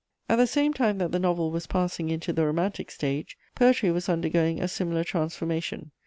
* At the same time that the novel was passing into the "romantic" stage, poetry was undergoing a similar transformation.